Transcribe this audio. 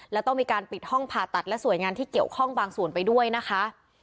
และต้องมีการปิดห้องผ่าตัดและหน่วยงานที่เกี่ยวข้องบางส่วนไปด้วยนะคะ